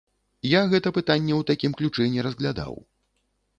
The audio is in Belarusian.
Я гэта пытанне ў такім ключы не разглядаў.